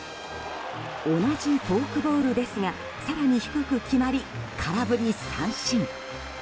同じフォークボールですが更に低く決まり空振り三振。